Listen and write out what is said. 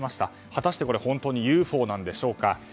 果たして、これ本当にＵＦＯなんでしょうか。